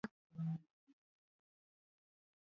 له ژبې پرته دا همکاري ناشونې وه.